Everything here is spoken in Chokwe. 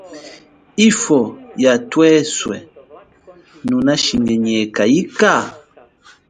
Ifwo ya tweswe, nunashinginyeka ika?